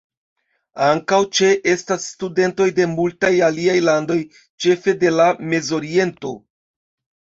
Ankaŭ ĉe-estas studentoj de multaj aliaj landoj, ĉefe de la Mez-Oriento.